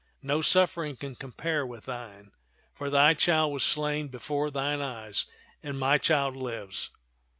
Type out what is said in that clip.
No suffering can compare with thine; for thy Child was slain before thine eyes — and my child lives.